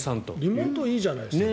リモートいいじゃないですか。